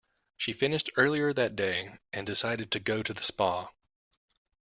She finished early that day, and decided to go to the spa.